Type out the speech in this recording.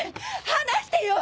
離してよ！